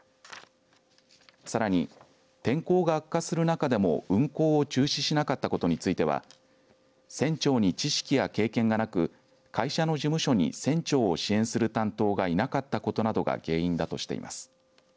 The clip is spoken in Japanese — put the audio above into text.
さらに天候が悪化する中でも運航を中止しなかったことについては船長に知識や経験がなく会社の事務所に船長を支援する担当がいなかったことなどが原因だとしています。